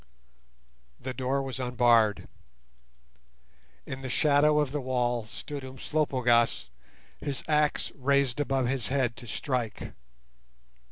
The door was unbarred. In the shadow of the wall stood Umslopogaas, his axe raised above his head to strike.